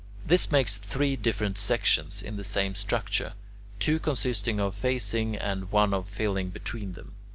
This makes three different sections in the same structure; two consisting of facing and one of filling between them.